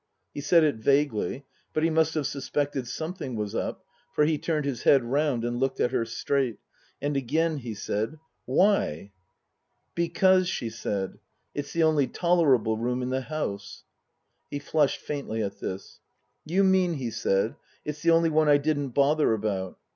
He said it vaguely. But he must have suspected something was up, for he turned his head round and looked at her straight ; and again he said, " Why ?"" Because," she said, " it's the only tolerable room in the house." He flushed faintly at this. " You mean," he said, "it's the only one I didn't bother about